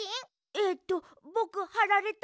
えっとぼくはられた？